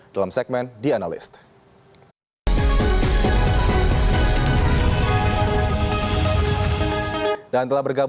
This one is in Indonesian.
dalam segmen the analyst